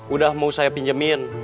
udah mau saya pinjemin